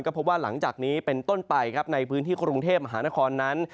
พบว่าหลังจากนี้เป็นต้นไปครับในพื้นที่กรุงเทพมหานครนั้น